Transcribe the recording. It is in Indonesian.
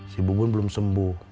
si bubun belum sembuh